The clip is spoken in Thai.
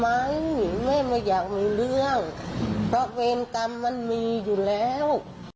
แม่ไม่อยากมีเรื่องเพราะเวรกรรมมันมีอยู่แล้ว